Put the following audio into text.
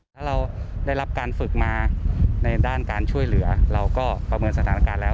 ถ้าเราได้รับการฝึกมาในด้านการช่วยเหลือเราก็ประเมินสถานการณ์แล้ว